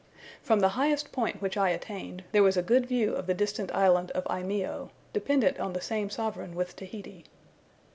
From the highest point which I attained, there was a good view of the distant island of Eimeo, dependent on the same sovereign with Tahiti.